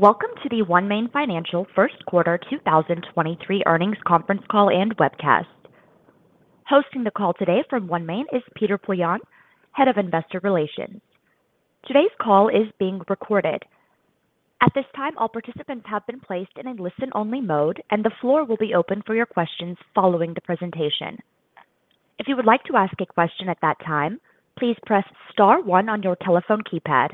Welcome to the OneMain Financial first quarter 2023 earnings conference call and webcast. Hosting the call today from OneMain is Peter Poillon, Head of Investor Relations. Today's call is being recorded. At this time, all participants have been placed in a listen-only mode. The floor will be open for your questions following the presentation. If you would like to ask a question at that time, please press star one on your telephone keypad.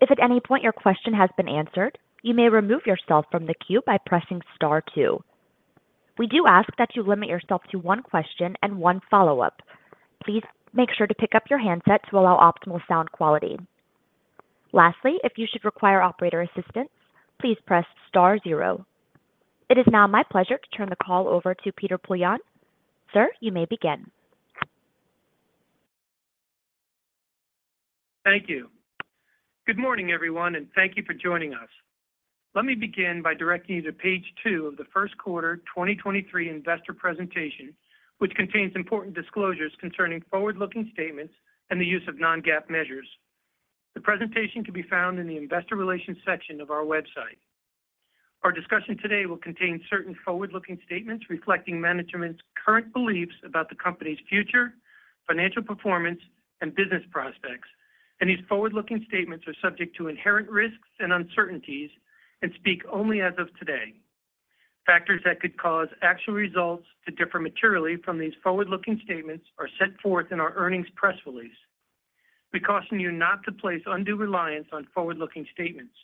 If at any point your question has been answered, you may remove yourself from the queue by pressing star two. We do ask that you limit yourself to one question and one follow-up. Please make sure to pick up your handset to allow optimal sound quality. Lastly, if you should require operator assistance, please press star zero. It is now my pleasure to turn the call over to Peter Poillon. Sir, you may begin. Thank you. Good morning, everyone, and thank you for joining us. Let me begin by directing you to page two of the first quarter 2023 investor presentation, which contains important disclosures concerning forward-looking statements and the use of non-GAAP measures. The presentation can be found in the investor relations section of our website. Our discussion today will contain certain forward-looking statements reflecting management's current beliefs about the company's future, financial performance, and business prospects. These forward-looking statements are subject to inherent risks and uncertainties and speak only as of today. Factors that could cause actual results to differ materially from these forward-looking statements are set forth in our earnings press release. We caution you not to place undue reliance on forward-looking statements.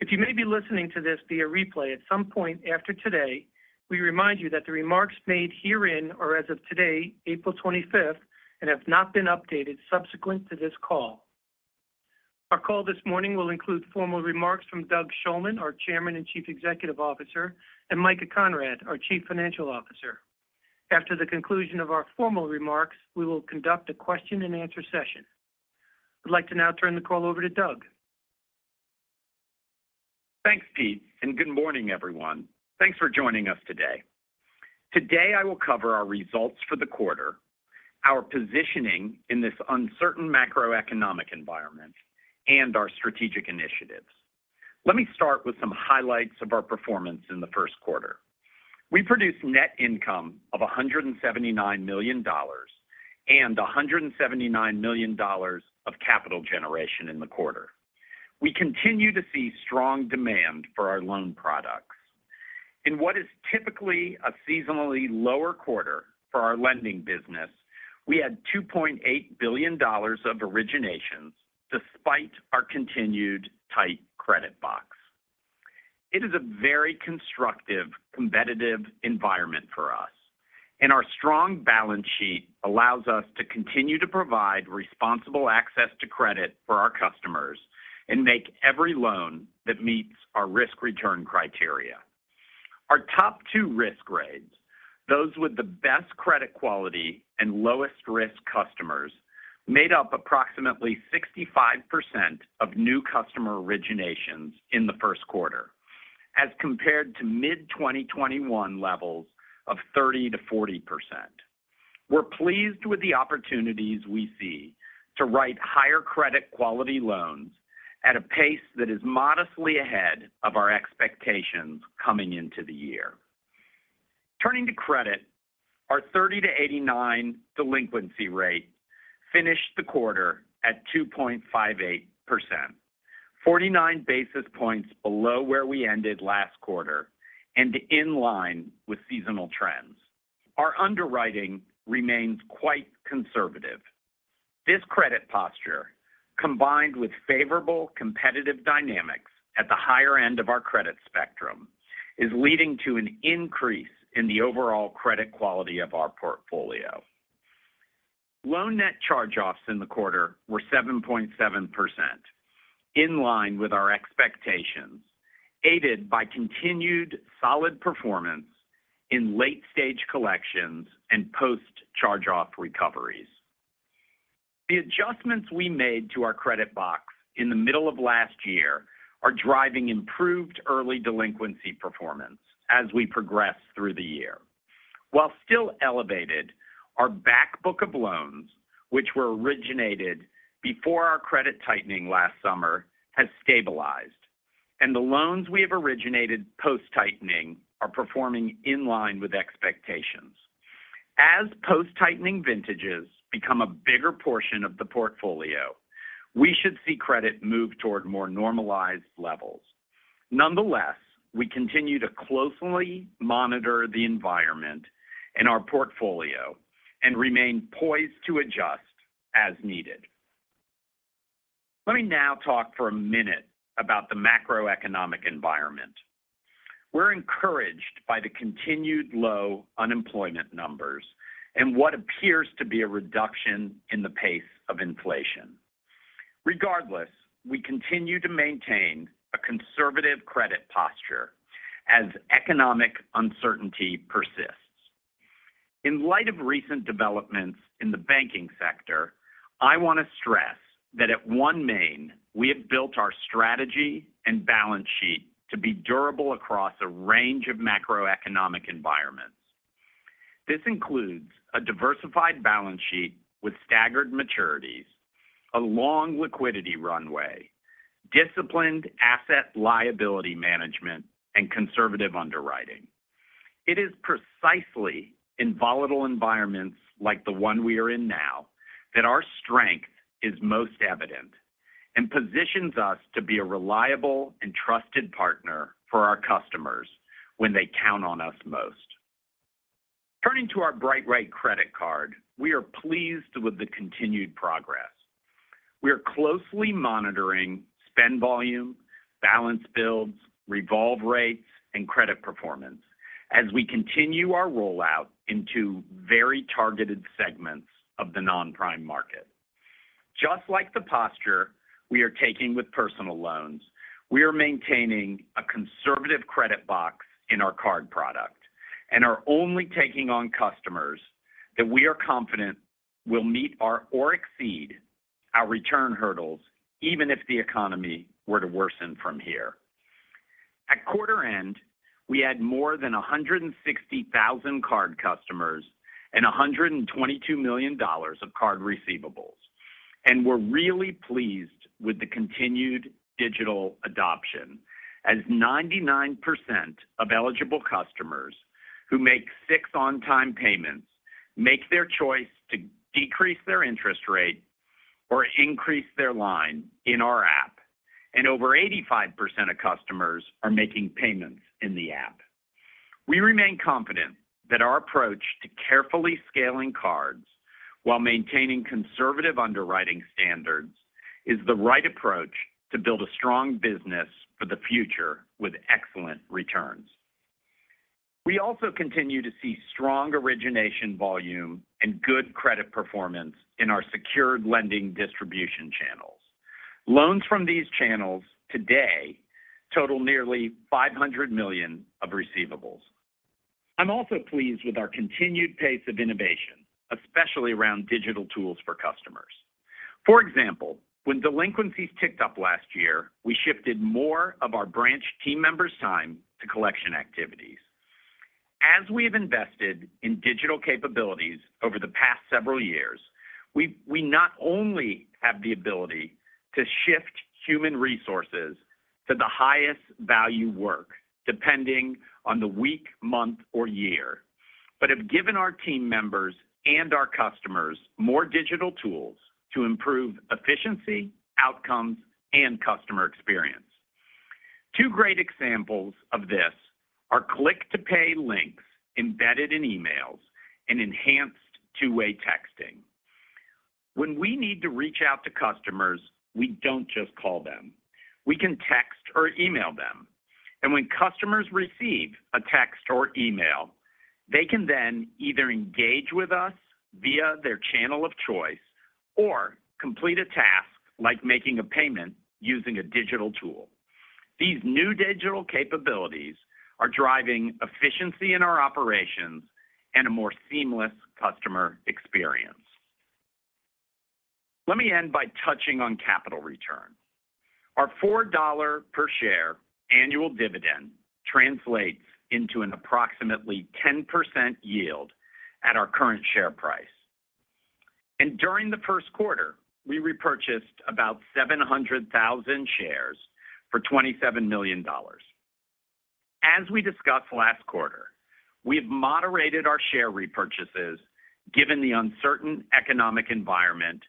If you may be listening to this via replay at some point after today, we remind you that the remarks made herein are as of today, April 25th, and have not been updated subsequent to this call. Our call this morning will include formal remarks from Doug Shulman, our Chairman and Chief Executive Officer, and Micah Conrad, our Chief Financial Officer. After the conclusion of our formal remarks, we will conduct a question-and-answer session. I'd like to now turn the call over to Doug. Thanks, Pete, good morning, everyone. Thanks for joining us today. Today, I will cover our results for the quarter, our positioning in this uncertain macroeconomic environment, and our strategic initiatives. Let me start with some highlights of our performance in the first quarter. We produced net income of $179 million and $179 million of Capital Generation in the quarter. We continue to see strong demand for our loan products. In what is typically a seasonally lower quarter for our lending business, we had $2.8 billion of originations despite our continued tight credit box. It is a very constructive, competitive environment for us, and our strong balance sheet allows us to continue to provide responsible access to credit for our customers and make every loan that meets our risk-return criteria. Our top two risk grades, those with the best credit quality and lowest-risk customers, made up approximately 65% of new customer originations in the first quarter as compared to mid-2021 levels of 30%-40%. We're pleased with the opportunities we see to write higher credit quality loans at a pace that is modestly ahead of our expectations coming into the year. Turning to credit, our 30-89 delinquency rate finished the quarter at 2.58%, 49 basis points below where we ended last quarter and in line with seasonal trends. Our underwriting remains quite conservative. This credit posture, combined with favorable competitive dynamics at the higher end of our credit spectrum, is leading to an increase in the overall credit quality of our portfolio. Loan net charge-offs in the quarter were 7.7%, in line with our expectations, aided by continued solid performance in late-stage collections and post-charge-off recoveries. The adjustments we made to our credit box in the middle of last year are driving improved early delinquency performance as we progress through the year. While still elevated, our back book of loans, which were originated before our credit tightening last summer, has stabilized, and the loans we have originated post-tightening are performing in line with expectations. As post-tightening vintages become a bigger portion of the portfolio, we should see credit move toward more normalized levels. Nonetheless, we continue to closely monitor the environment in our portfolio and remain poised to adjust as needed. Let me now talk for a minute about the macroeconomic environment. We're encouraged by the continued low unemployment numbers and what appears to be a reduction in the pace of inflation. Regardless, we continue to maintain a conservative credit posture as economic uncertainty persists. In light of recent developments in the banking sector, I want to stress that at OneMain we have built our strategy and balance sheet to be durable across a range of macroeconomic environments. This includes a diversified balance sheet with staggered maturities, a long liquidity runway, disciplined asset liability management, and conservative underwriting. It is precisely in volatile environments like the one we are in now that our strength is most evident and positions us to be a reliable and trusted partner for our customers when they count on us most. Turning to our BrightWay credit card, we are pleased with the continued progress. We are closely monitoring spend volume, balance builds, revolve rates, and credit performance as we continue our rollout into very targeted segments of the non-prime market. Just like the posture we are taking with personal loans, we are maintaining a conservative credit box in our card product and are only taking on customers that we are confident will meet our or exceed our return hurdles, even if the economy were to worsen from here. At quarter end, we had more than 160,000 card customers and $122 million of card receivables. We're really pleased with the continued digital adoption as 99% of eligible customers who make six on-time payments make their choice to decrease their interest rate or increase their line in our app. Over 85% of customers are making payments in the app. We remain confident that our approach to carefully scaling cards while maintaining conservative underwriting standards is the right approach to build a strong business for the future with excellent returns. We also continue to see strong origination volume and good credit performance in our secured lending distribution channels. Loans from these channels today total nearly $500 million of receivables. I'm also pleased with our continued pace of innovation, especially around digital tools for customers. For example, when delinquencies ticked up last year, we shifted more of our branch team members' time to collection activities. As we have invested in digital capabilities over the past several years, we not only have the ability to shift human resources to the highest value work depending on the week, month, or year. Have given our team members and our customers more digital tools to improve efficiency, outcomes, and customer experience. Two great examples of this are Click to Pay links embedded in emails and enhanced two-way texting. When we need to reach out to customers, we don't just call them. We can text or email them. When customers receive a text or email, they can then either engage with us via their channel of choice or complete a task like making a payment using a digital tool. These new digital capabilities are driving efficiency in our operations and a more seamless customer experience. Let me end by touching on capital return. Our $4 per share annual dividend translates into an approximately 10% yield at our current share price. During the first quarter, we repurchased about 700,000 shares for $27 million. As we discussed last quarter, we've moderated our share repurchases given the uncertain economic environment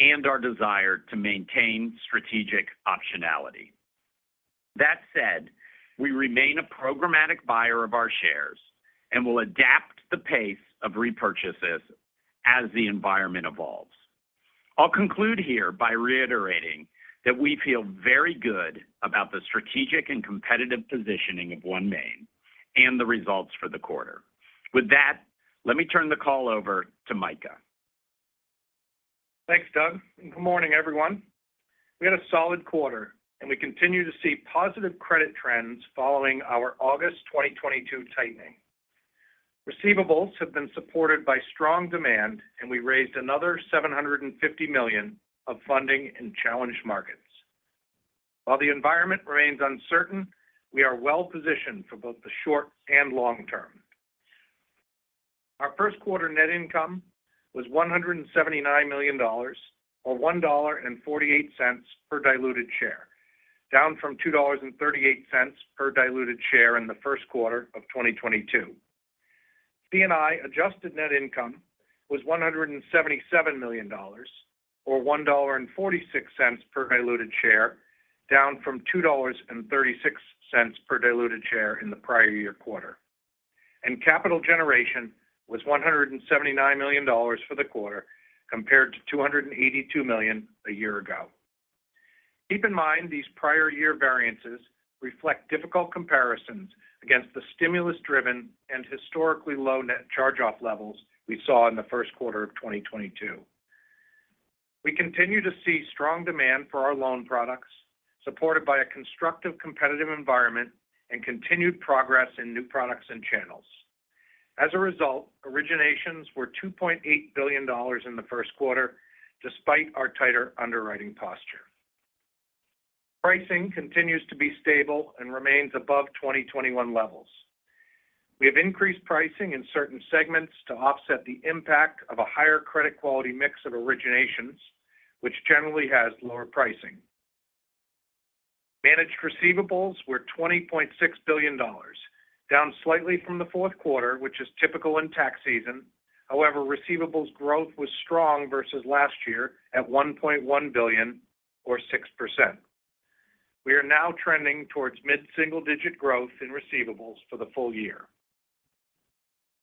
and our desire to maintain strategic optionality. That said, we remain a programmatic buyer of our shares and will adapt the pace of repurchases as the environment evolves. I'll conclude here by reiterating that we feel very good about the strategic and competitive positioning of OneMain and the results for the quarter. With that, let me turn the call over to Micah. Thanks, Doug. Good morning, everyone. We had a solid quarter. We continue to see positive credit trends following our August 2022 tightening. Receivables have been supported by strong demand. We raised another $750 million of funding in challenged markets. While the environment remains uncertain, we are well positioned for both the short and long term. Our first quarter net income was $179 million or $1.48 per diluted share, down from $2.38 per diluted share in the first quarter of 2022. C&I adjusted net income was $177 million or $1.46 per diluted share, down from $2.36 per diluted share in the prior year quarter. Capital generation was $179 million for the quarter compared to $282 million a year ago. Keep in mind, these prior year variances reflect difficult comparisons against the stimulus-driven and historically low net charge-off levels we saw in the first quarter of 2022. We continue to see strong demand for our loan products, supported by a constructive competitive environment and continued progress in new products and channels. As a result, originations were $2.8 billion in the first quarter despite our tighter underwriting posture. Pricing continues to be stable and remains above 2021 levels. We have increased pricing in certain segments to offset the impact of a higher credit quality mix of originations, which generally has lower pricing. Managed receivables were $20.6 billion, down slightly from the fourth quarter, which is typical in tax season. Receivables growth was strong versus last year at $1.1 billion or 6%. We are now trending towards mid-single-digit growth in receivables for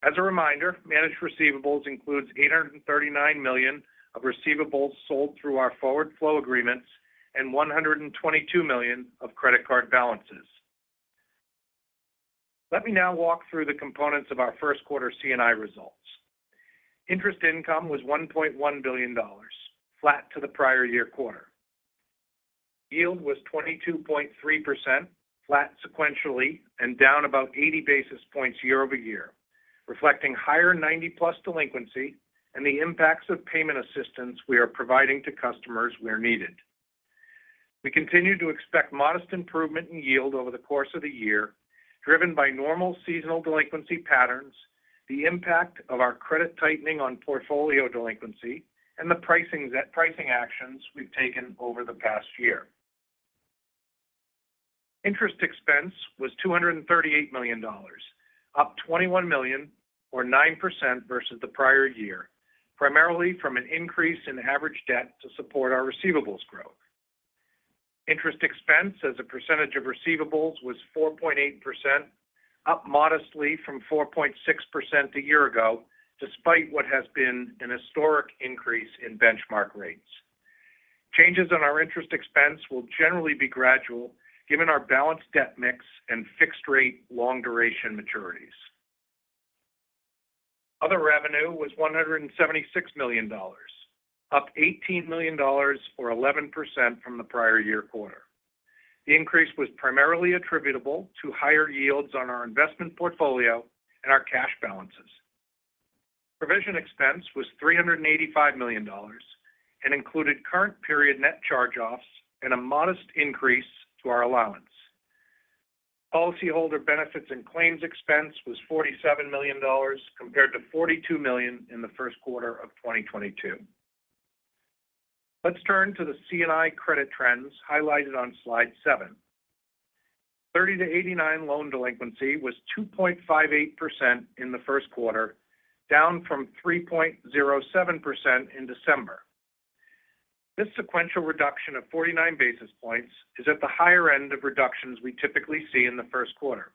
the full year. As a reminder, managed receivables includes $839 million of receivables sold through our forward flow agreements and $122 million of credit card balances. Let me now walk through the components of our first quarter C&I results. Interest income was $1.1 billion, flat to the prior year quarter. Yield was 22.3%, flat sequentially and down about 80 basis points year-over-year, reflecting higher 90+ delinquency and the impacts of payment assistance we are providing to customers where needed. We continue to expect modest improvement in yield over the course of the year, driven by normal seasonal delinquency patterns, the impact of our credit tightening on portfolio delinquency, and the pricing actions we've taken over the past year. Interest expense was $238 million, up $21 million or 9% versus the prior year, primarily from an increase in average debt to support our receivables growth. Interest expense as a percentage of receivables was 4.8%, up modestly from 4.6% a year ago, despite what has been an historic increase in benchmark rates. Changes in our interest expense will generally be gradual given our balanced debt mix and fixed-rate long-duration maturities. Other revenue was $176 million, up $18 million or 11% from the prior year quarter. The increase was primarily attributable to higher yields on our investment portfolio and our cash balances. Provision expense was $385 million and included current period net charge-offs and a modest increase to our allowance. Policyholder benefits and claims expense was $47 million, compared to $42 million in the first quarter of 2022. Let's turn to the C&I credit trends highlighted on slide seven. 30-89 loan delinquency was 2.58% in the first quarter, down from 3.07% in December. This sequential reduction of 49 basis points is at the higher end of reductions we typically see in the first quarter.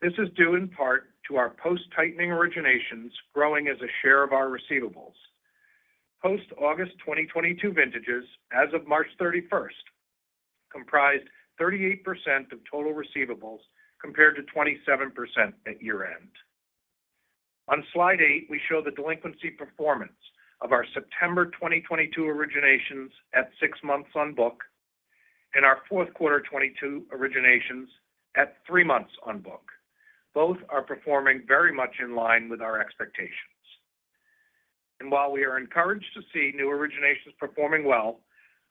This is due in part to our post-tightening originations growing as a share of our receivables. Post-August 2022 vintages as of March 31st comprised 38% of total receivables, compared to 27% at year-end. On slide eight, we show the delinquency performance of our September 2022 originations at six months on book and our fourth quarter 2022 originations at three months on book. Both are performing very much in line with our expectations. While we are encouraged to see new originations performing well,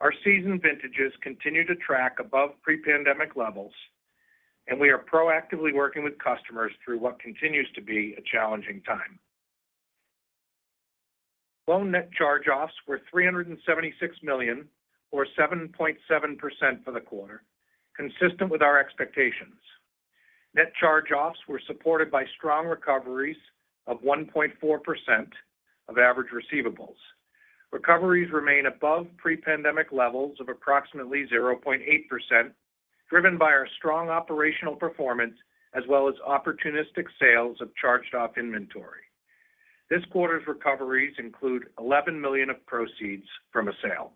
our seasoned vintages continue to track above pre-pandemic levels and we are proactively working with customers through what continues to be a challenging time. Loan net charge-offs were $376 million or 7.7% for the quarter, consistent with our expectations. Net charge-offs were supported by strong recoveries of 1.4% of average receivables. Recoveries remain above pre-pandemic levels of approximately 0.8%, driven by our strong operational performance as well as opportunistic sales of charged-off inventory. This quarter's recoveries include $11 million of proceeds from a sale.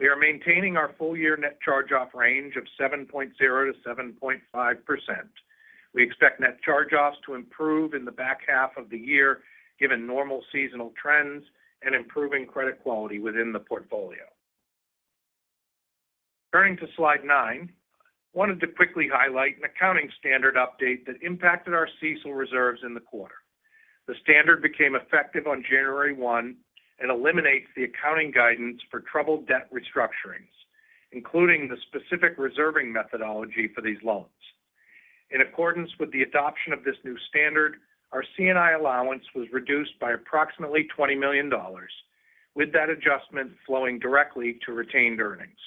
We are maintaining our full-year net charge-off range of 7.0%-7.5%. We expect net charge-offs to improve in the back half of the year given normal seasonal trends and improving credit quality within the portfolio. Turning to slide nine, I wanted to quickly highlight an accounting standard update that impacted our CECL reserves in the quarter. The standard became effective on January 1, and eliminates the accounting guidance for troubled debt restructurings, including the specific reserving methodology for these loans. In accordance with the adoption of this new standard, our C&I allowance was reduced by approximately $20 million, with that adjustment flowing directly to retained earnings.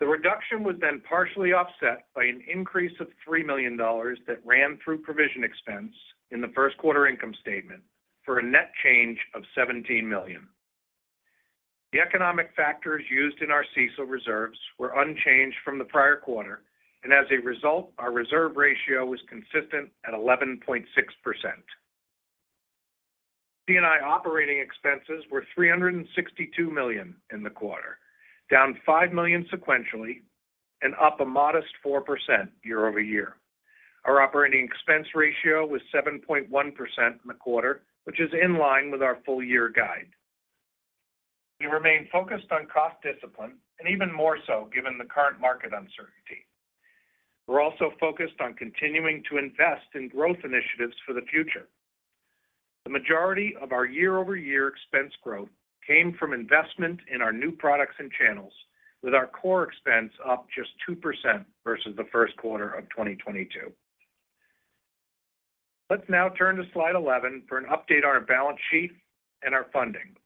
The reduction was then partially offset by an increase of $3 million that ran through provision expense in the first quarter income statement for a net change of $17 million. The economic factors used in our CECL reserves were unchanged from the prior quarter. As a result, our reserve ratio was consistent at 11.6%. C&I operating expenses were $362 million in the quarter, down $5 million sequentially and up a modest 4% year-over-year. Our operating expense ratio was 7.1% in the quarter, which is in line with our full-year guide. We remain focused on cost discipline and even more so given the current market uncertainty. We're also focused on continuing to invest in growth initiatives for the future. The majority of our year-over-year expense growth came from investment in our new products and channels with our core expense up just 2% versus the first quarter of 2022. Let's now turn to slide 11 for an update on our balance sheet and our funding.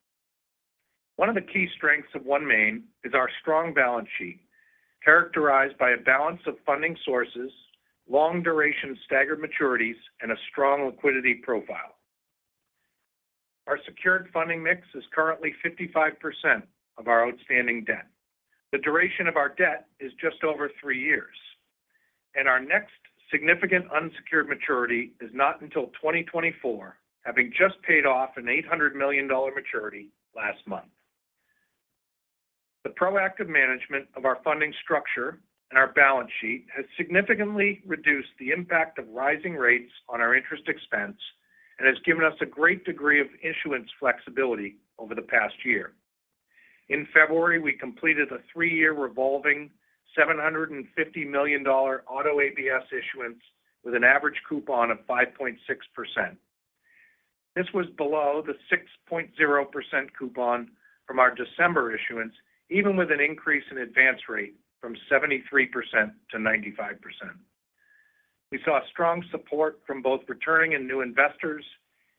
One of the key strengths of OneMain is our strong balance sheet, characterized by a balance of funding sources, long-duration staggered maturities, and a strong liquidity profile. Our secured funding mix is currently 55% of our outstanding debt. The duration of our debt is just over three years, and our next significant unsecured maturity is not until 2024, having just paid off an $800 million maturity last month. The proactive management of our funding structure and our balance sheet has significantly reduced the impact of rising rates on our interest expense and has given us a great degree of issuance flexibility over the past year. In February, we completed a three-year revolving $750 million auto ABS issuance with an average coupon of 5.6%. This was below the 6.0% coupon from our December issuance, even with an increase in advance rate from 73% to 95%. We saw strong support from both returning and new investors,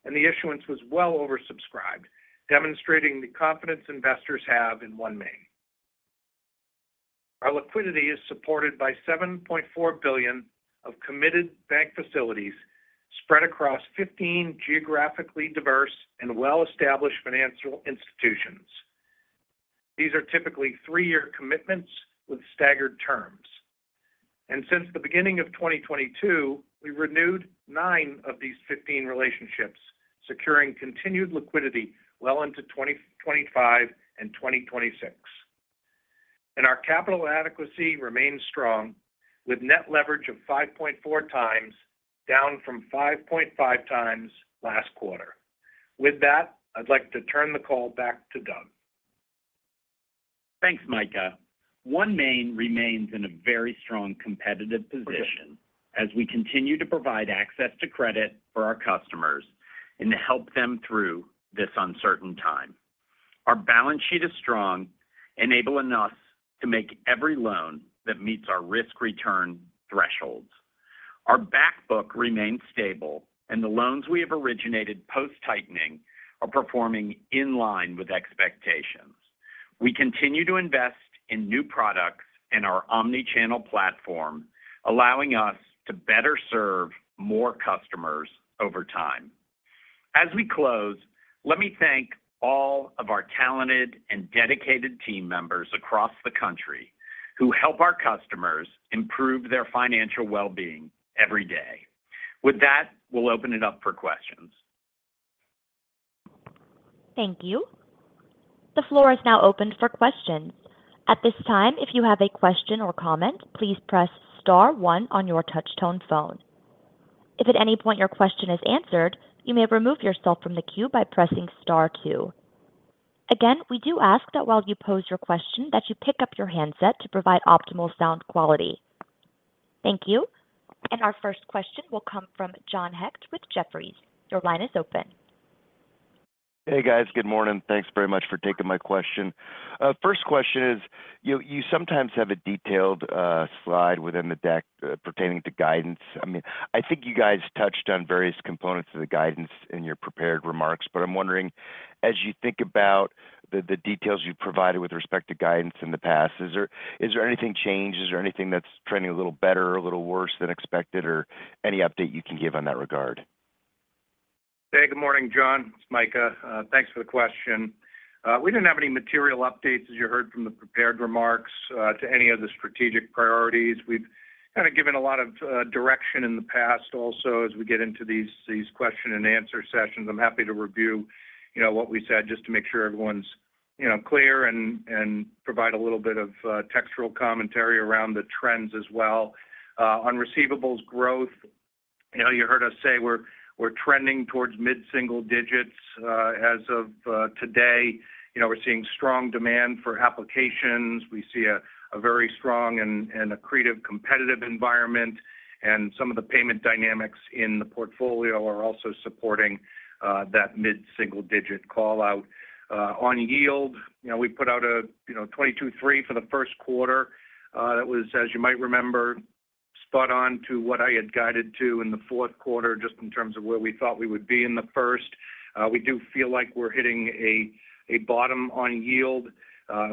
and the issuance was well oversubscribed, demonstrating the confidence investors have in OneMain. Our liquidity is supported by $7.4 billion of committed bank facilities spread across 15 geographically diverse and well-established financial institutions. These are typically three-year commitments with staggered terms. Since the beginning of 2022, we renewed nine of these 15 relationships, securing continued liquidity well into 2025 and 2026. Our capital adequacy remains strong with net leverage of 5.4x, down from 5.5x last quarter. With that, I'd like to turn the call back to Doug. Thanks, Micah. OneMain remains in a very strong competitive position as we continue to provide access to credit for our customers and to help them through this uncertain time. Our balance sheet is strong, enabling us to make every loan that meets our risk-return thresholds. Our back book remains stable and the loans we have originated post-tightening are performing in line with expectations. We continue to invest in new products in our omni-channel platform, allowing us to better serve more customers over time. As we close, let me thank all of our talented and dedicated team members across the country who help our customers improve their financial well-being every day. With that, we'll open it up for questions. Thank you. The floor is now open for questions. At this time, if you have a question or comment, please press star one on your touch-tone phone. If at any point your question is answered, you may remove yourself from the queue by pressing star two. Again, we do ask that while you pose your question that you pick up your handset to provide optimal sound quality. Thank you. Our first question will come from John Hecht with Jefferies. Your line is open. Hey, guys. Good morning. Thanks very much for taking my question. First question is, you sometimes have a detailed slide within the deck pertaining to guidance. I mean, I think you guys touched on various components of the guidance in your prepared remarks. I'm wondering, as you think about the details you've provided with respect to guidance in the past, is there anything changed? Is there anything that's trending a little better or a little worse than expected? Any update you can give on that regard? Hey, good morning, John. It's Micah. Thanks for the question. We didn't have any material updates, as you heard from the prepared remarks, to any of the strategic priorities. We've kind of given a lot of direction in the past also as we get into these question and answer sessions. I'm happy to review, you know, what we said just to make sure everyone's, you know, clear and provide a little bit of textural commentary around the trends as well. On receivables growth, you know, you heard us say we're trending towards mid-single digits. As of today, you know, we're seeing strong demand for applications. We see a very strong and accretive competitive environment, and some of the payment dynamics in the portfolio are also supporting that mid-single digit call-out. On yield, you know, we put out a, you know, 22.3% for Q1. That was, as you might remember, spot on to what I had guided to in Q4, just in terms of where we thought we would be in Q1. We do feel like we're hitting a bottom on yield.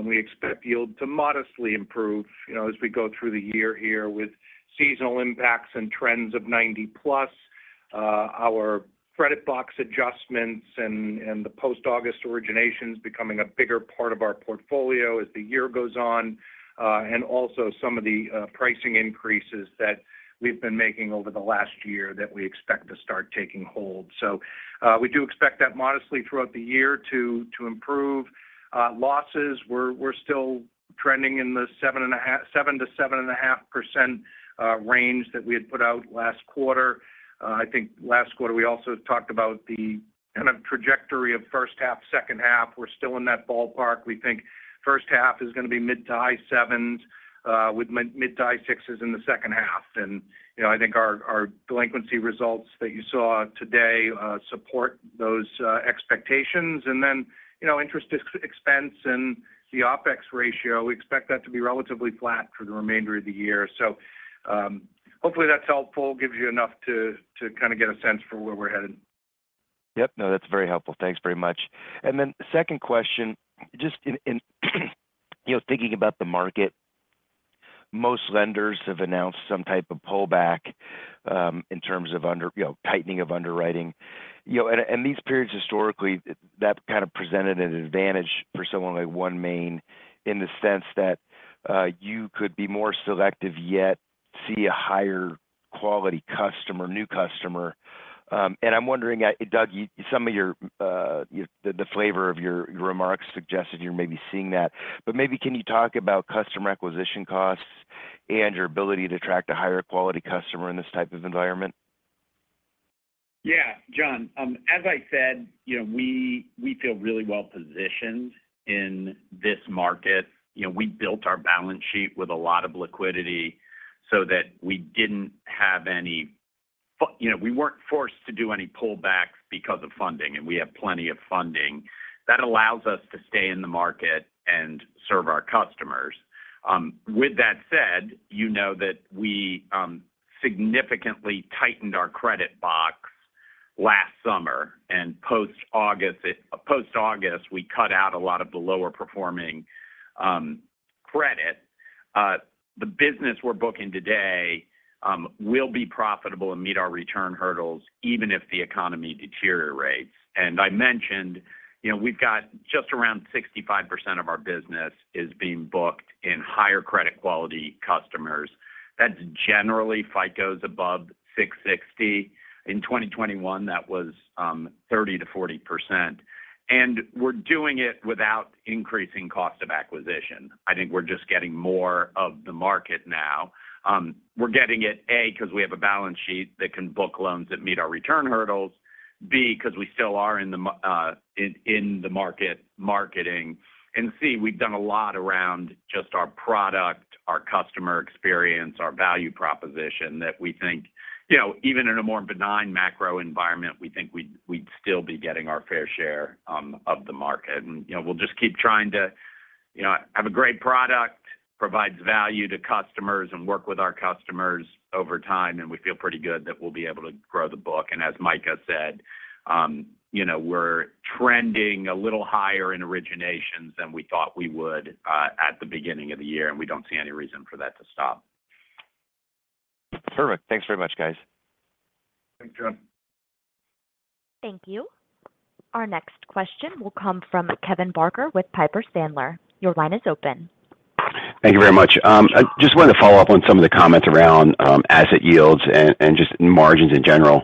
We expect yield to modestly improve, you know, as we go through the year here with seasonal impacts and trends of 90+ delinquencies. Our credit box adjustments and the post-August originations becoming a bigger part of our portfolio as the year goes on. Also some of the pricing increases that we've been making over the last year that we expect to start taking hold. We do expect that modestly throughout the year to improve. Losses, we're still trending in the 7%-7.5% range that we had put out last quarter. I think last quarter we also talked about the kind of trajectory of first half, second half. We're still in that ballpark. We think first half is gonna be mid to high 7s%, with mid to high 6s in the second half. You know, I think our delinquency results that you saw today support those expectations. Then, you know, interest expense and the OpEx ratio, we expect that to be relatively flat for the remainder of the year. Hopefully that's helpful, gives you enough to kinda get a sense for where we're headed. Yep. No, that's very helpful. Thanks very much. Second question, just in, you know, thinking about the market, most lenders have announced some type of pullback, in terms of you know, tightening of underwriting. You know, and these periods historically that kind of presented an advantage for someone like OneMain in the sense that you could be more selective, yet see a higher quality customer, new customer. I'm wondering, Doug, some of your the flavor of your remarks suggested you're maybe seeing that. Maybe can you talk about customer acquisition costs and your ability to attract a higher quality customer in this type of environment? Yeah. John, as I said, you know, we feel really well-positioned in this market. You know, we built our balance sheet with a lot of liquidity so that we didn't have any. You know, we weren't forced to do any pullbacks because of funding, and we have plenty of funding. With that said, you know that we significantly tightened our credit box last summer. Post-August, we cut out a lot of the lower performing credit. The business we're booking today will be profitable and meet our return hurdles even if the economy deteriorates. I mentioned, you know, we've got just around 65% of our business is being booked in higher credit quality customers. That's generally FICO's above 660. In 2021, that was 30%-40%. We're doing it without increasing cost of acquisition. I think we're just getting more of the market now. We're getting it, A, 'cause we have a balance sheet that can book loans that meet our return hurdles. B, 'cause we still are in the market marketing. C, we've done a lot around just our product, our customer experience, our value proposition that we think, you know, even in a more benign macro environment, we think we'd still be getting our fair share of the market. You know, we'll just keep trying to, you know, have a great product, provides value to customers, and work with our customers over time, and we feel pretty good that we'll be able to grow the book. As Micah said, you know, we're trending a little higher in originations than we thought we would, at the beginning of the year, and we don't see any reason for that to stop. Perfect. Thanks very much, guys. Thanks, John. Thank you. Our next question will come from Kevin Barker with Piper Sandler. Your line is open. Thank you very much. I just wanted to follow up on some of the comments around asset yields and just margins in general.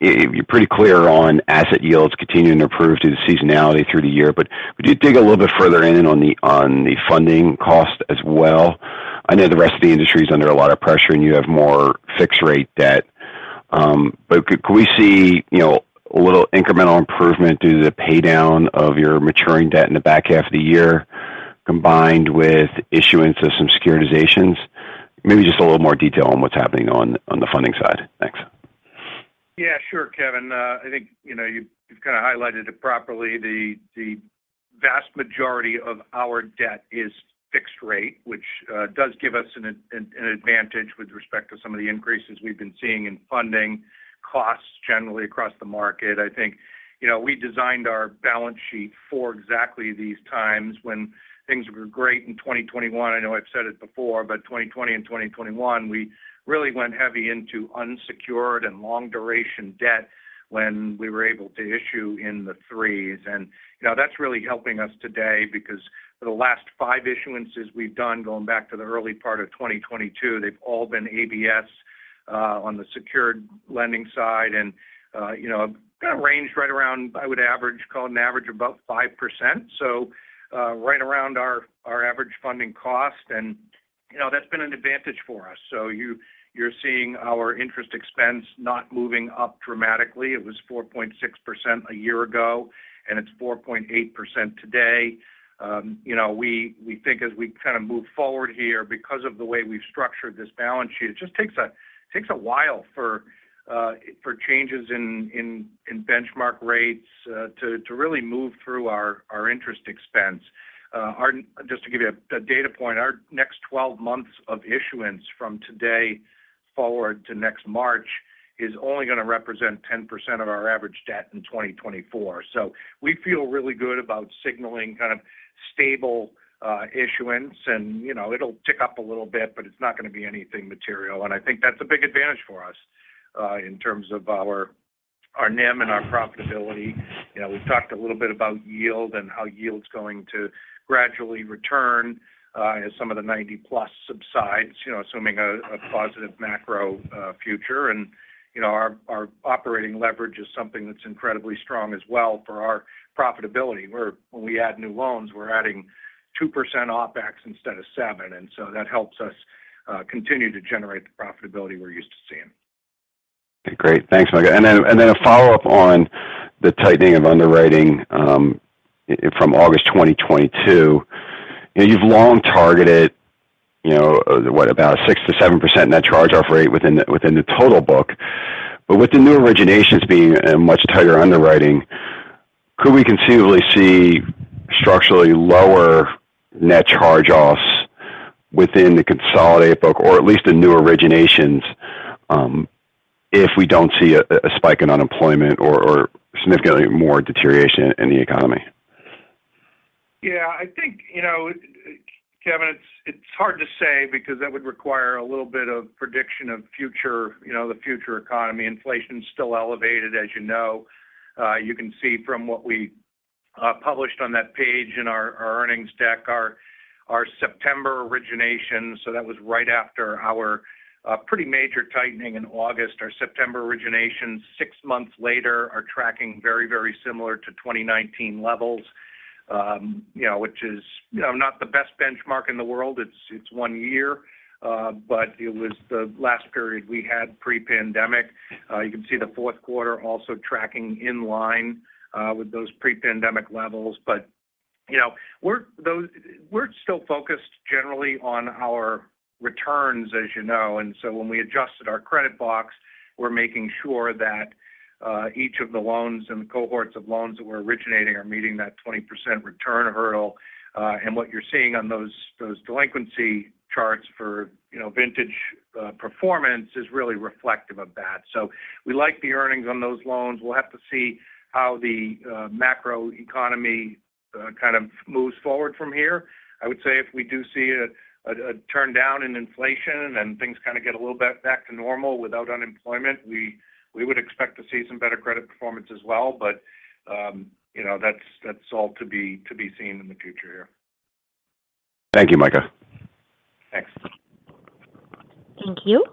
You're pretty clear on asset yields continuing to improve due to seasonality through the year, could you dig a little bit further in on the, on the funding cost as well? I know the rest of the industry is under a lot of pressure and you have more fixed rate debt, could we see, you know, a little incremental improvement due to the pay down of your maturing debt in the back half of the year combined with issuance of some securitizations? Just a little more detail on what's happening on the funding side. Thanks. Yeah, sure, Kevin. I think, you know, you've kind of highlighted it properly. The vast majority of our debt is fixed rate, which does give us an advantage with respect to some of the increases we've been seeing in funding costs generally across the market. I think, you know, we designed our balance sheet for exactly these times when things were great in 2021. I know I've said it before, 2020 and 2021, we really went heavy into unsecured and long duration debt when we were able to issue in the threes. You know, that's really helping us today because for the last five issuances we've done, going back to the early part of 2022, they've all been ABS on the secured lending side and, you know, kind of ranged right around, I would average, call it an average of about 5%. Right around our average funding cost and, you know, that's been an advantage for us. You're seeing our interest expense not moving up dramatically. It was 4.6% a year ago, and it's 4.8% today. You know, we think as we kind of move forward here, because of the way we've structured this balance sheet, it just takes a while for changes in benchmark rates to really move through our interest expense. Just to give you a data point, our next 12 months of issuance from today forward to next March is only gonna represent 10% of our average debt in 2024. We feel really good about signaling kind of stable issuance and, you know, it'll tick up a little bit, but it's not gonna be anything material. I think that's a big advantage for us in terms of our NIM and our profitability. You know, we've talked a little bit about yield and how yield's going to gradually return, as some of the 90+ subsides, you know, assuming a positive macro future. You know, our operating leverage is something that's incredibly strong as well for our profitability, where when we add new loans, we're adding 2% OpEx instead of 7%. That helps us continue to generate the profitability we're used to seeing. Okay, great. Thanks, Micah. A follow-up on the tightening of underwriting from August 2022. You've long targeted, you know, what about 6%-7% net charge-off rate within the total book. With the new originations being a much tighter underwriting, could we conceivably see structurally lower net charge-offs within the consolidated book or at least the new originations, if we don't see a spike in unemployment or significantly more deterioration in the economy? I think, you know, Kevin, it's hard to say because that would require a little bit of prediction of future, you know, the future economy. Inflation is still elevated, as you know. You can see from what we published on that page in our earnings deck, our September origination. That was right after our pretty major tightening in August. Our September origination, six months later are tracking very, very similar to 2019 levels, you know, which is, you know, not the best benchmark in the world. It's one year, but it was the last period we had pre-pandemic. You can see the Q4 also tracking in line with those pre-pandemic levels. You know, we're still focused generally on our returns, as you know. When we adjusted our credit box, we're making sure that each of the loans and the cohorts of loans that we're originating are meeting that 20% return hurdle. And what you're seeing on those delinquency charts for, you know, vintage, performance is really reflective of that. We like the earnings on those loans. We'll have to see how the macro economy kind of moves forward from here. I would say if we do see a turn down in inflation and things kind of get a little bit back to normal without unemployment, we would expect to see some better credit performance as well. You know, that's all to be seen in the future here. Thank you, Micah. Thanks. Thank you.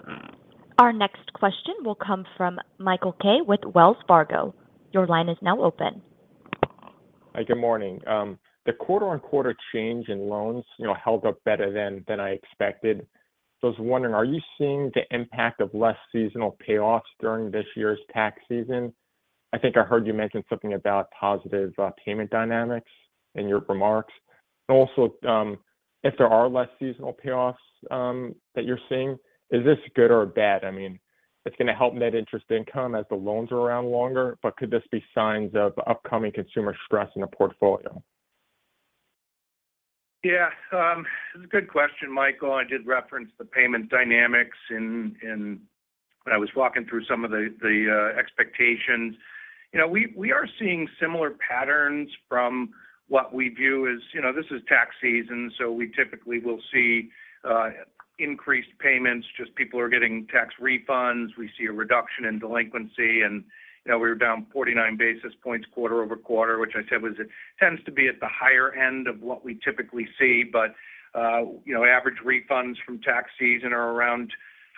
Our next question will come from Michael Kaye with Wells Fargo. Your line is now open. Hi, good morning. The quarter-on-quarter change in loans, you know, held up better than I expected. I was wondering, are you seeing the impact of less seasonal payoffs during this year's tax season? I think I heard you mention something about positive payment dynamics in your remarks. If there are less seasonal payoffs that you're seeing, is this good or bad? I mean, it's going to help net interest income as the loans are around longer. Could this be signs of upcoming consumer stress in the portfolio? It's a good question, Michael. I did reference the payment dynamics when I was walking through some of the expectations. You know, we are seeing similar patterns from what we view as, you know, this is tax season, we typically will see increased payments, just people are getting tax refunds. We see a reduction in delinquency. You know, we were down 49 basis points quarter-over-quarter, which I said it tends to be at the higher end of what we typically see. You know, average refunds from tax season are around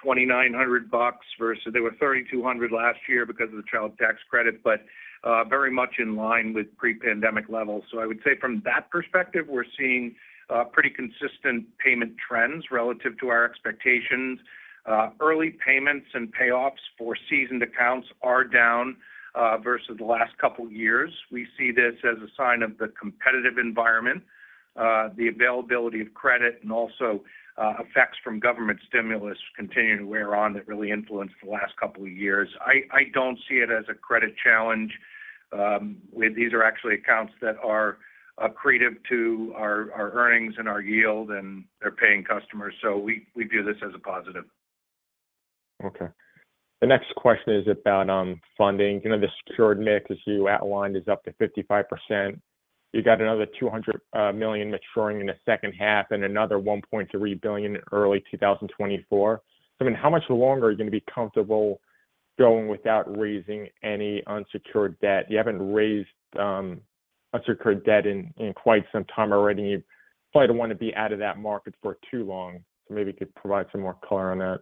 $2,900 versus they were $3,200 last year because of the Child Tax Credit, very much in line with pre-pandemic levels. I would say from that perspective, we're seeing pretty consistent payment trends relative to our expectations. Early payments and payoffs for seasoned accounts are down versus the last couple of years. We see this as a sign of the competitive environment, the availability of credit and also effects from government stimulus continuing to wear on that really influenced the last couple of years. I don't see it as a credit challenge. These are actually accounts that are accretive to our earnings and our yield, and they're paying customers. We view this as a positive. Okay. The next question is about funding. You know, the secured mix, as you outlined, is up to 55%. You got another $200 million maturing in the second half and another $1.3 billion in early 2024. I mean, how much longer are you going to be comfortable going without raising any unsecured debt? You haven't raised unsecured debt in quite some time already. You probably don't want to be out of that market for too long. Maybe you could provide some more color on that.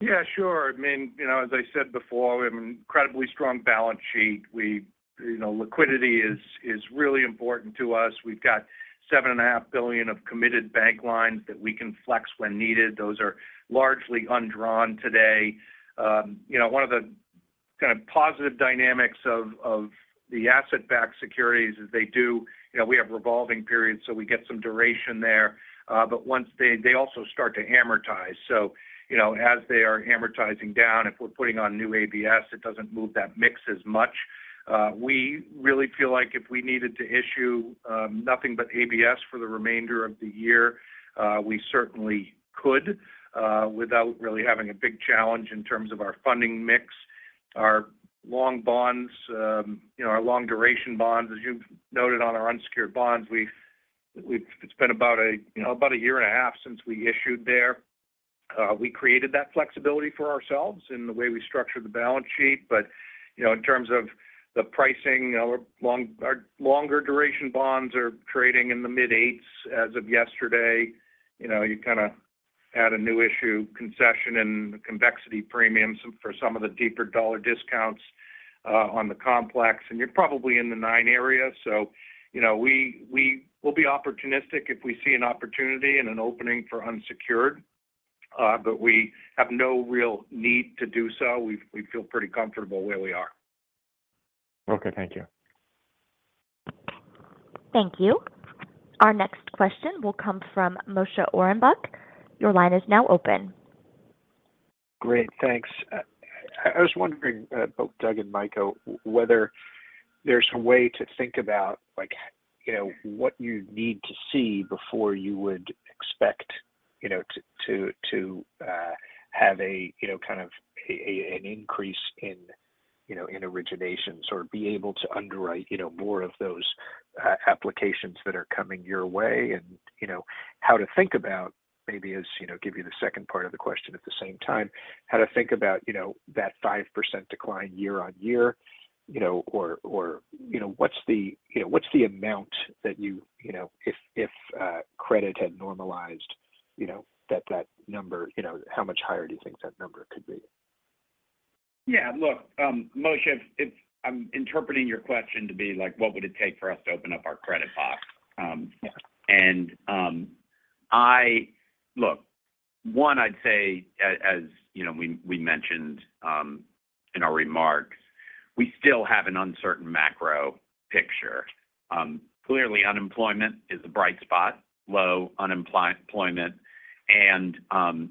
Yeah, sure. I mean, you know, as I said before, we have an incredibly strong balance sheet. You know, liquidity is really important to us. We've got $7.5 billion of committed bank lines that we can flex when needed. Those are largely undrawn today. You know, one of the kind of positive dynamics of the asset-backed securities is, you know, we have revolving periods, so we get some duration there. Once they also start to amortize. You know, as they are amortizing down, if we're putting on new ABS, it doesn't move that mix as much. We really feel like if we needed to issue nothing but ABS for the remainder of the year, we certainly could without really having a big challenge in terms of our funding mix. Our long bonds, you know, our long duration bonds, as you've noted on our unsecured bonds, it's been about a, you know, about a year and a half since we issued there. We created that flexibility for ourselves in the way we structured the balance sheet. You know, in terms of the pricing, our longer duration bonds are trading in the mid 8s as of yesterday. You know, you kind of add a new issue concession and the convexity premiums for some of the deeper dollar discounts on the complex, and you're probably in the 9 area. You know, we will be opportunistic if we see an opportunity and an opening for unsecured, but we have no real need to do so. We, we feel pretty comfortable where we are. Okay, thank you. Thank you. Our next question will come from Moshe Orenbuch. Your line is now open. Great. Thanks. I was wondering, both Doug and Micah, whether there's a way to think about like, you know, what you need to see before you would expect, you know, to have a kind of an increase in, you know, in originations or be able to underwrite, you know, more of those applications that are coming your way, and, you know, how to think about maybe as, you know, give you the second part of the question at the same time, how to think about, you know, that 5% decline year-over-year, or what's the amount that you, if credit had normalized, that number, how much higher do you think that number could be? Yeah. Look, Moshe, if I'm interpreting your question to be like, what would it take for us to open up our credit box? Yeah. Look, one, I'd say as, you know, we mentioned in our remarks, we still have an uncertain macro picture. Clearly unemployment is a bright spot, low employment.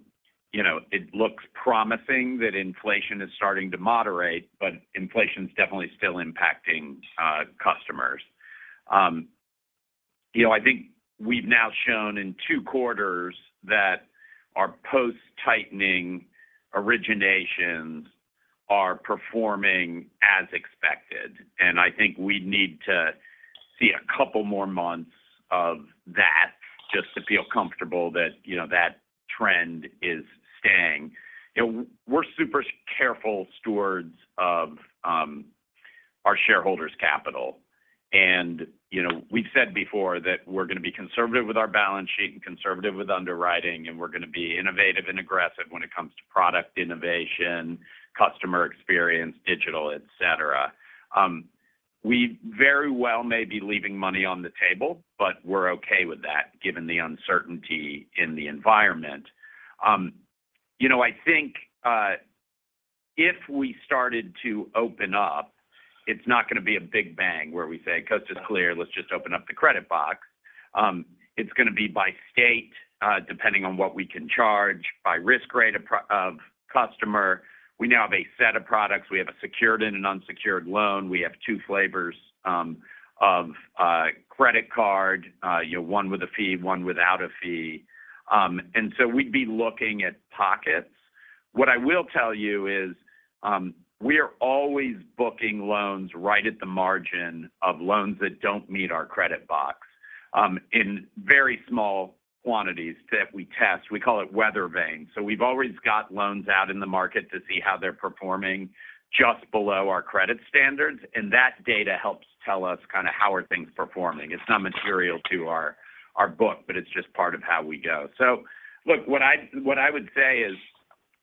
You know, it looks promising that inflation is starting to moderate, but inflation's definitely still impacting customers. You know, I think we've now shown in two quarters that our post-tightening originations are performing as expected. I think we need to see a couple more months of that just to feel comfortable that, you know, that trend is staying. You know, we're super careful stewards of our shareholders' capital. You know, we've said before that we're going to be conservative with our balance sheet and conservative with underwriting, and we're going to be innovative and aggressive when it comes to product innovation, customer experience, digital, et cetera. We very well may be leaving money on the table, but we're okay with that given the uncertainty in the environment. You know, I think, if we started to open up, it's not going to be a big bang where we say, "Coast is clear, let's just open up the credit box." It's going to be by state, depending on what we can charge by risk rate of customer. We now have a set of products. We have a secured and an unsecured loan. We have two flavors, of credit card, you know, one with a fee, one without a fee. We'd be looking at pockets. What I will tell you is, we are always booking loans right at the margin of loans that don't meet our credit box, in very small quantities that we test. We call it Weather Vane. We've always got loans out in the market to see how they're performing just below our credit standards, and that data helps tell us kind of how are things performing. It's not material to our book, but it's just part of how we go. Look, what I would say is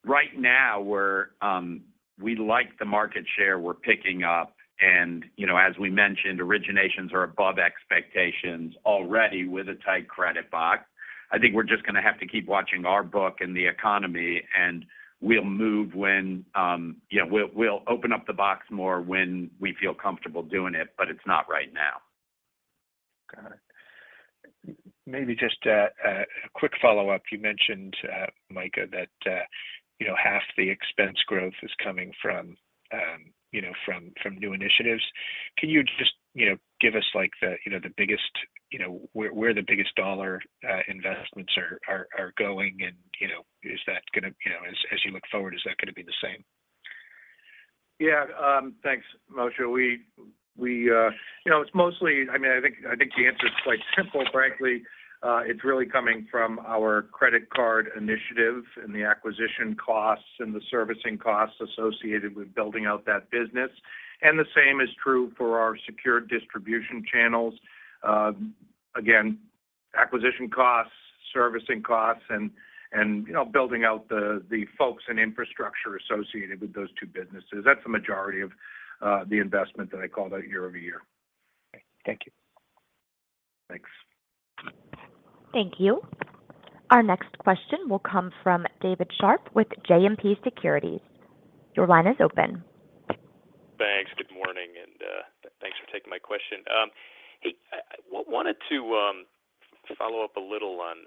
right now we're, we like the market share we're picking up. You know, as we mentioned, originations are above expectations already with a tight credit box. I think we're just going to have to keep watching our book and the economy, and we'll move when, you know, we'll open up the box more when we feel comfortable doing it, but it's not right now. Got it. Maybe just a quick follow-up. You mentioned, Micah, that, you know, half the expense growth is coming from, you know, from new initiatives. Can you just, you know, give us like the, you know, the biggest, you know, where the biggest dollar investments are going and, you know, is that going to, you know, as you look forward, is that going to be the same? Yeah. Thanks, Moshe. We, you know, it's mostly I mean, I think the answer is quite simple, frankly. It's really coming from our credit card initiative and the acquisition costs and the servicing costs associated with building out that business. The same is true for our secured distribution channels. Again, acquisition costs, servicing costs and, you know, building out the folks and infrastructure associated with those two businesses. That's the majority of the investment that I called out year-over-year. Okay. Thank you. Thanks. Thank you. Our next question will come from David Scharf with JMP Securities. Your line is open. Thanks. Good morning, and thanks for taking my question. Hey, I wanted to follow up a little on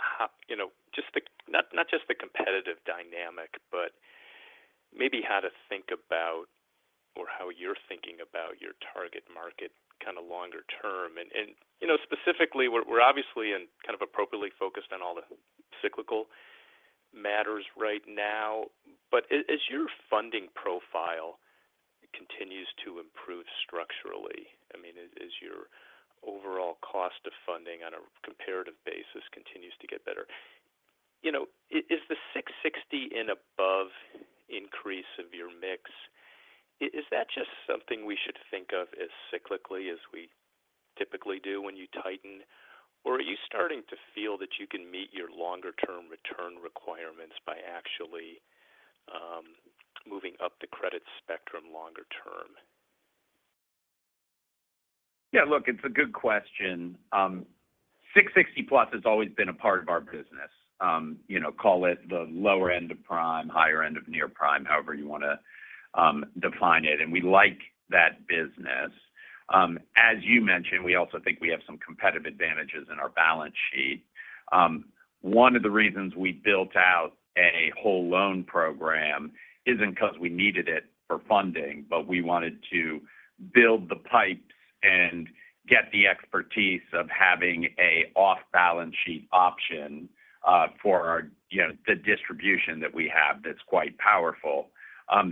how, you know, just the not just the competitive dynamic, but maybe how to think about or how you're thinking about your target market kind of longer term. You know, specifically, we're obviously and kind of appropriately focused on all the cyclical matters right now. As your funding profile continues to improve structurally. I mean, as your overall cost of funding on a comparative basis continues to get better. You know, is the 660 and above increase of your mix, is that just something we should think of as cyclically as we typically do when you tighten? Are you starting to feel that you can meet your longer-term return requirements by actually, moving up the credit spectrum longer term? Yeah, look, it's a good question. 660+ has always been a part of our business. You know, call it the lower end of prime, higher end of near-prime, however you wanna define it. We like that business. As you mentioned, we also think we have some competitive advantages in our balance sheet. One of the reasons we built out a whole loan program isn't 'cause we needed it for funding, but we wanted to build the pipes and get the expertise of having a off-balance sheet option, for our, you know, the distribution that we have that's quite powerful. You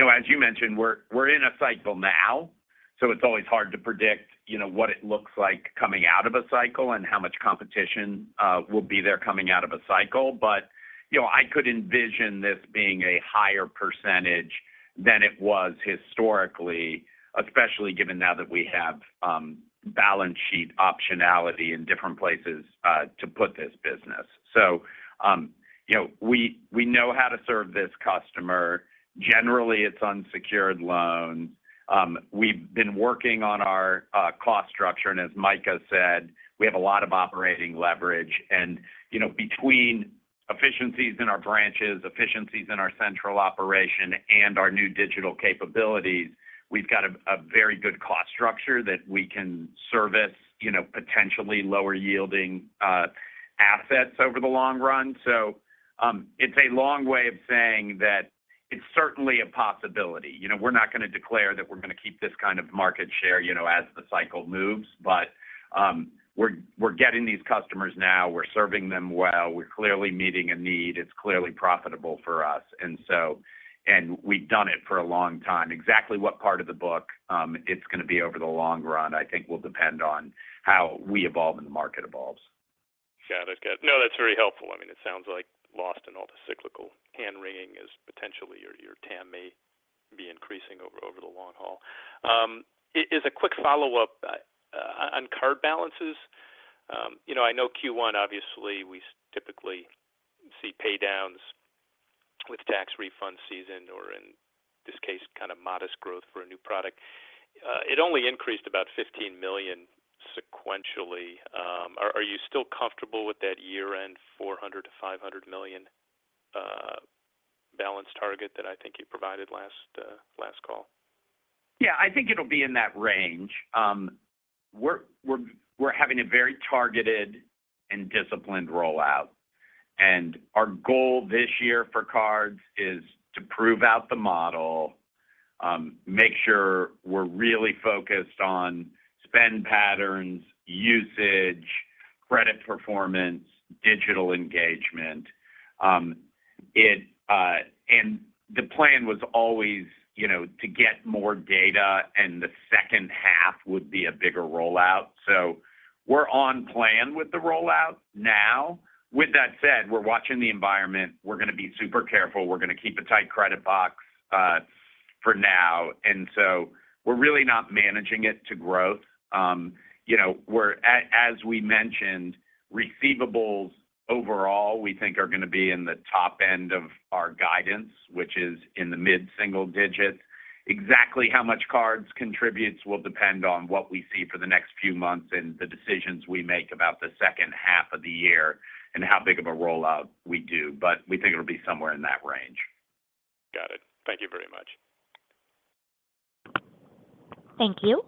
know, as you mentioned, we're in a cycle now. It's always hard to predict, you know, what it looks like coming out of a cycle and how much competition will be there coming out of a cycle. You know, I could envision this being a higher percentage than it was historically, especially given now that we have balance sheet optionality in different places to put this business. You know, we know how to serve this customer. Generally, it's unsecured loans. We've been working on our cost structure, and as Micah said, we have a lot of operating leverage. You know, between efficiencies in our branches, efficiencies in our central operation, and our new digital capabilities, we've got a very good cost structure that we can service, you know, potentially lower yielding assets over the long run. It's a long way of saying that it's certainly a possibility. You know, we're not gonna declare that we're gonna keep this kind of market share, you know, as the cycle moves. We're getting these customers now. We're serving them well. We're clearly meeting a need. It's clearly profitable for us. We've done it for a long time. Exactly what part of the book, it's gonna be over the long run, I think will depend on how we evolve and the market evolves. Got it. Got it. No, that's very helpful. I mean, it sounds like lost in all the cyclical hand-wringing is potentially your TAM may be increasing over the long haul. Is a quick follow-up on card balances. You know, I know Q1, obviously, we typically see paydowns with tax refund season or in this case kind of modest growth for a new product. It only increased about $15 million sequentially. Are you still comfortable with that year-end $400 million-$500 million balance target that I think you provided last call? Yeah. I think it'll be in that range. We're having a very targeted and disciplined rollout. Our goal this year for cards is to prove out the model, make sure we're really focused on spend patterns, usage, credit performance, digital engagement. The plan was always, you know, to get more data, and the second half would be a bigger rollout. We're on plan with the rollout now. With that said, we're watching the environment. We're gonna be super careful. We're gonna keep a tight credit box, for now. We're really not managing it to growth. You know, as we mentioned, receivables overall, we think are gonna be in the top end of our guidance, which is in the mid-single digit. Exactly how much cards contributes will depend on what we see for the next few months and the decisions we make about the second half of the year and how big of a rollout we do, but we think it'll be somewhere in that range. Got it. Thank you very much. Thank you.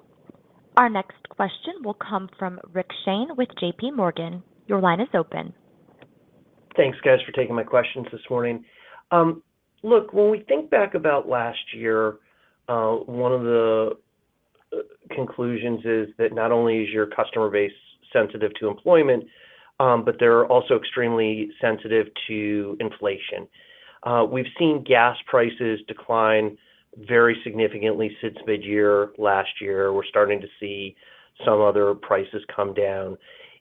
Our next question will come from Richard Shane with JPMorgan. Your line is open. Thanks, guys, for taking my questions this morning. Look, when we think back about last year, one of the conclusions is that not only is your customer base sensitive to employment, but they're also extremely sensitive to inflation. We've seen gas prices decline very significantly since mid-year last year. We're starting to see some other prices come down.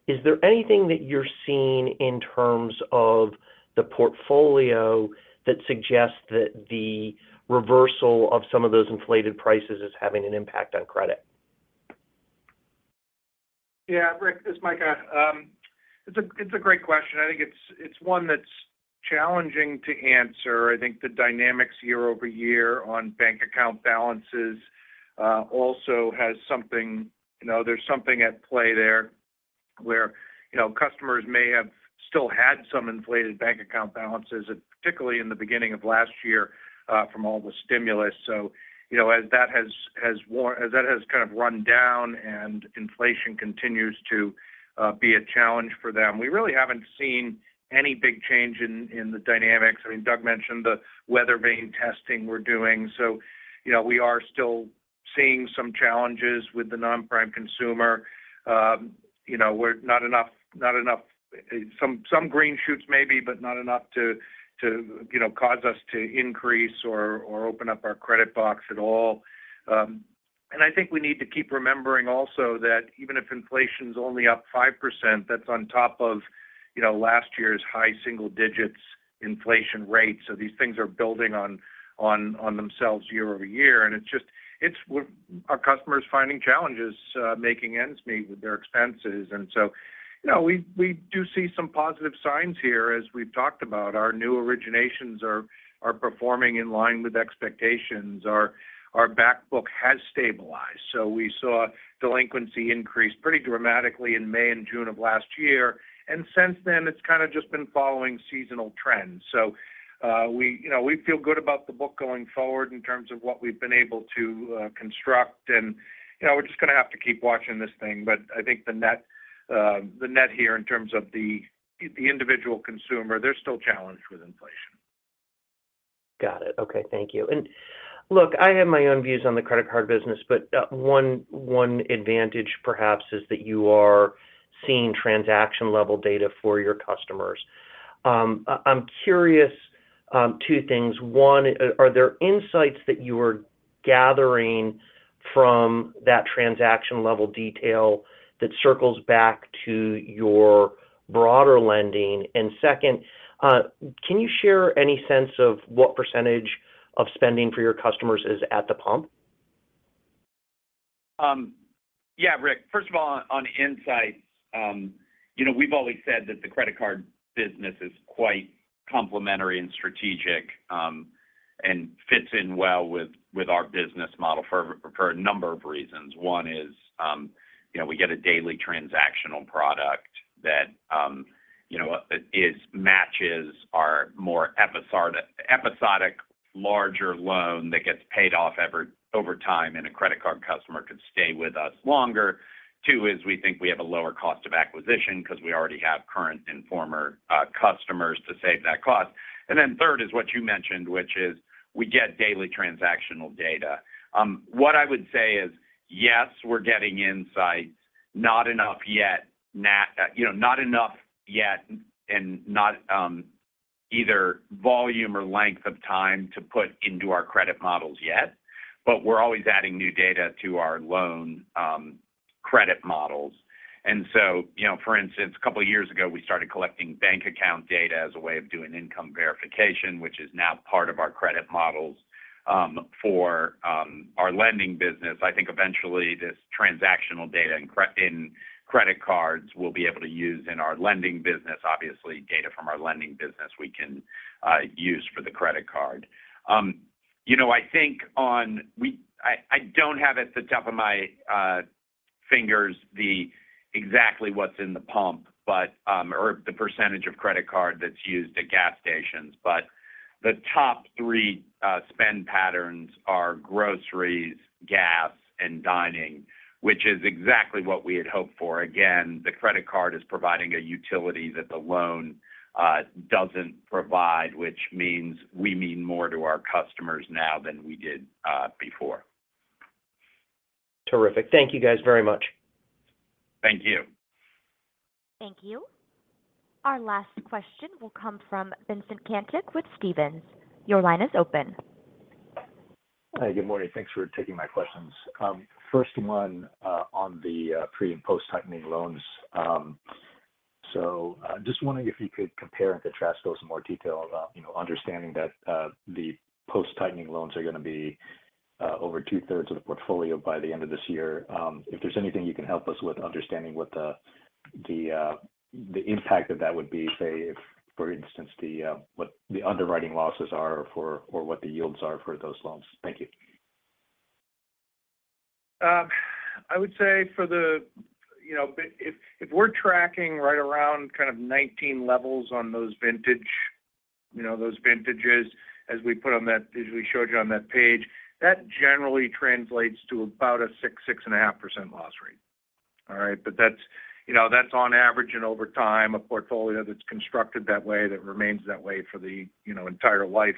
Is there anything that you're seeing in terms of the portfolio that suggests that the reversal of some of those inflated prices is having an impact on credit? Yeah. Rick, this is Micah. It's a great question. I think it's one that's challenging to answer. I think the dynamics year over year on bank account balances also has something. You know, there's something at play there where, you know, customers may have still had some inflated bank account balances, particularly in the beginning of last year from all the stimulus. You know, as that has kind of run down and inflation continues to be a challenge for them, we really haven't seen any big change in the dynamics. I mean, Doug mentioned the Weather Vane testing we're doing. You know, we are still Seeing some challenges with the non-prime consumer. You know, some green shoots maybe, but not enough to, you know, cause us to increase or open up our credit box at all. I think we need to keep remembering also that even if inflation's only up 5%, that's on top of, you know, last year's high single digits inflation rate. These things are building on themselves year over year. It's just our customers finding challenges making ends meet with their expenses. You know, we do see some positive signs here as we've talked about. Our new originations are performing in line with expectations. Our back book has stabilized. We saw delinquency increase pretty dramatically in May and June of last year. Since then, it's kind of just been following seasonal trends. We, you know, we feel good about the book going forward in terms of what we've been able to construct and, you know, we're just gonna have to keep watching this thing. I think the net, the net here in terms of the individual consumer, they're still challenged with inflation. Got it. Okay, thank you. Look, I have my own views on the credit card business, but one advantage perhaps is that you are seeing transaction-level data for your customers. I'm curious, two things. One, are there insights that you are gathering from that transaction-level detail that circles back to your broader lending? Second, can you share any sense of what % of spending for your customers is at the pump? Yeah, Rick. First of all, on insights, you know, we've always said that the credit card business is quite complementary and strategic, fits in well with our business model for a number of reasons. One is, you know, we get a daily transactional product that, you know, matches our more episodic larger loan that gets paid off over time, and a credit card customer could stay with us longer. Two is we think we have a lower cost of acquisition because we already have current and former customers to save that cost. Third is what you mentioned, which is we get daily transactional data. What I would say is, yes, we're getting insights. Not enough yet. You know, not enough yet and not either volume or length of time to put into our credit models yet. We're always adding new data to our loan credit models. You know, for instance, a couple of years ago, we started collecting bank account data as a way of doing income verification, which is now part of our credit models for our lending business. I think eventually this transactional data in credit cards we'll be able to use in our lending business. Obviously, data from our lending business we can use for the credit card. You know, I think I don't have at the top of my fingers the exactly what's in the pump, but, or the % of credit card that's used at gas stations. The top three spend patterns are groceries, gas, and dining, which is exactly what we had hoped for. Again, the credit card is providing a utility that the loan doesn't provide, which means we mean more to our customers now than we did before. Terrific. Thank you guys very much. Thank you. Thank you. Our last question will come from Vincent Caintic with Stephens. Your line is open. Hi. Good morning. Thanks for taking my questions. First one on the pre- and post-tightening loans. Just wondering if you could compare and contrast those in more detail about, you know, understanding that the post-tightening loans are gonna be over 2/3 of the portfolio by the end of this year. If there's anything you can help us with understanding what the impact of that would be, say, if, for instance, what the underwriting losses are for or what the yields are for those loans. Thank you. I would say for the... You know, if we're tracking right around kind of 19 levels on those vintages, as we showed you on that page, that generally translates to about a 6.5% loss rate. All right. That's on average and over time, a portfolio that's constructed that way, that remains that way for the, you know, entire life.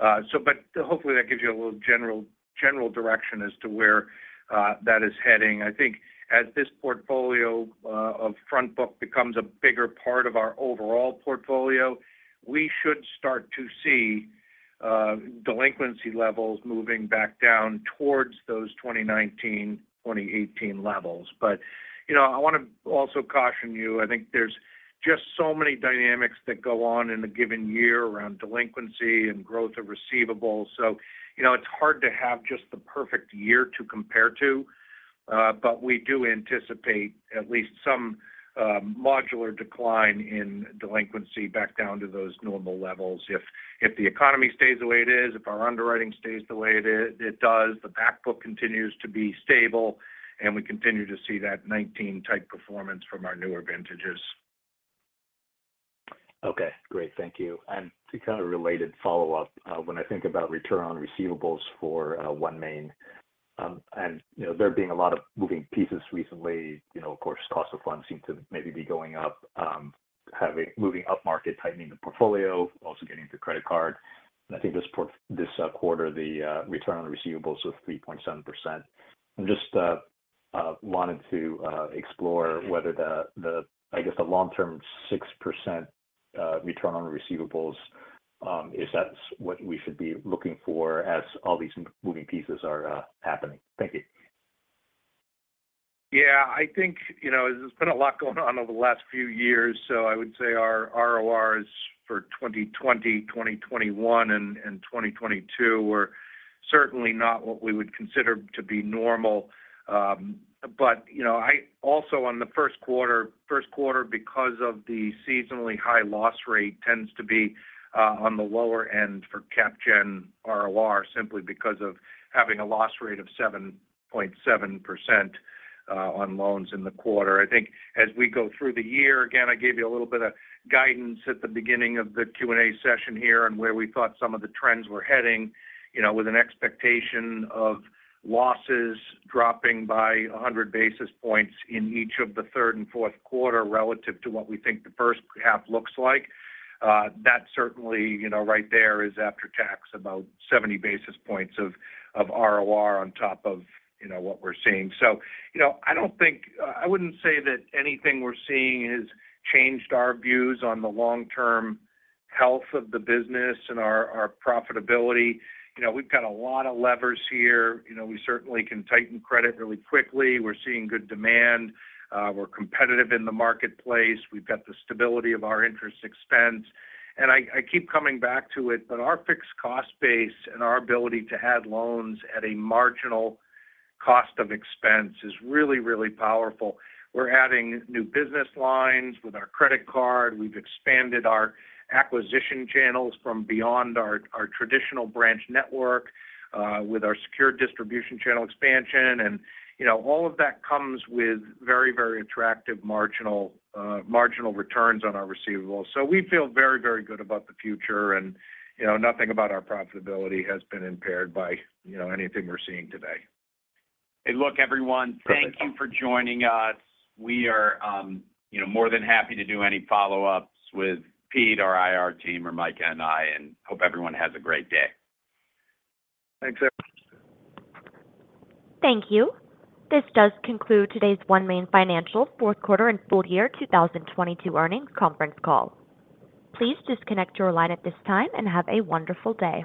Hopefully that gives you a little general direction as to where that is heading. I think as this portfolio of front book becomes a bigger part of our overall portfolio, we should start to see delinquency levels moving back down towards those 2019, 2018 levels. You know, I want to also caution you, I think there's just so many dynamics that go on in a given year around delinquency and growth of receivables. You know, it's hard to have just the perfect year to compare to. We do anticipate at least some modular decline in delinquency back down to those normal levels. If the economy stays the way it is, if our underwriting stays the way it does, the back book continues to be stable, and we continue to see that 19 type performance from our newer vintages. Okay. Great. Thank you. To kind of related follow-up, when I think about return on receivables for OneMain, and, you know, there being a lot of moving pieces recently, you know, of course, cost of funds seem to maybe be going up, moving up market, tightening the portfolio, also getting the credit card. I think this quarter, the return on receivables was 3.7%. I'm just wanting to explore whether I guess, the long-term 6% return on receivables, if that's what we should be looking for as all these moving pieces are happening. Thank you. Yeah. I think, you know, there's been a lot going on over the last few years. I would say our RORs for 2020, 2021 and 2022 were certainly not what we would consider to be normal. You know, I also on the first quarter because of the seasonally high loss rate tends to be on the lower end for cap gen ROR simply because of having a loss rate of 7.7% on loans in the quarter. I think as we go through the year, again, I gave you a little bit of guidance at the beginning of the Q&A session here and where we thought some of the trends were heading, you know, with an expectation of losses dropping by 100 basis points in each of the third and fourth quarter relative to what we think the first half looks like. That certainly, you know, right there is after tax, about 70 basis points of ROR on top of, you know, what we're seeing. You know, I don't think I wouldn't say that anything we're seeing has changed our views on the long-term health of the business and our profitability. You know, we've got a lot of levers here. You know, we certainly can tighten credit really quickly. We're seeing good demand. We're competitive in the marketplace. We've got the stability of our interest expense. I keep coming back to it, our fixed cost base and our ability to add loans at a marginal cost of expense is really, really powerful. We're adding new business lines with our credit card. We've expanded our acquisition channels from beyond our traditional branch network with our secured distribution channel expansion. You know, all of that comes with very, very attractive marginal marginal returns on our receivables. We feel very, very good about the future. You know, nothing about our profitability has been impaired by, you know, anything we're seeing today. Hey, look, everyone. Thank you for joining us. We are, you know, more than happy to do any follow-ups with Pete, our IR team, or Micah and I. Hope everyone has a great day. Thanks, everyone. Thank you. This does conclude today's OneMain Financial fourth quarter and full year 2022 earnings conference call. Please disconnect your line at this time and have a wonderful day.